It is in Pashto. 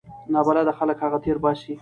نابلده خلک هغه تیر باسي.